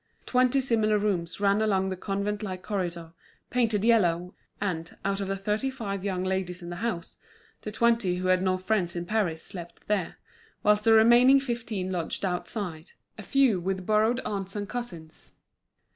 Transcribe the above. Twenty similar rooms ran along the convent like corridor, painted yellow; and, out of the thirty five young ladies in the house, the twenty who had no friends in Paris slept there, whilst the remaining fifteen lodged outside, a few with borrowed aunts and cousins.